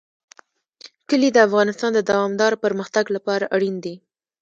کلي د افغانستان د دوامداره پرمختګ لپاره اړین دي.